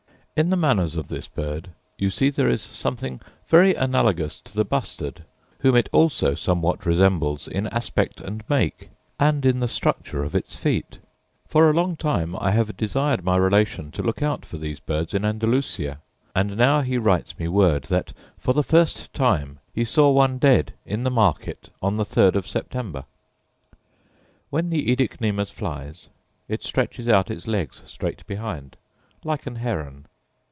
In the manners of this bird you see there is something very analogous to the bustard, whom it also somewhat resembles in aspect and make, and in the structure of its feet. For a long time I have desired my relation to look out for these birds in Andalusia; and now he writes me word that, for the first time, he saw one dead in the market on the 3rd of September. When the oedicnemus flies it stretches out its legs straight behind, like an heron.